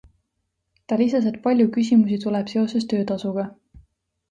Ta lisas, et palju küsimusi tuleb seoses töötasuga.